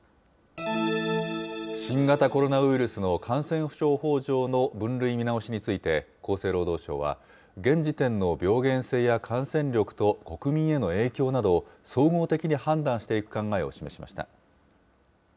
新型コロナウイルスの感染症法上の分類見直しについて、厚生労働省は、現時点の病原性や感染力と国民への影響などを総合的に判断していく考えを示しました。